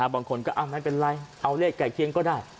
บางคนก็เอาเลขแก่เคียงก็ได้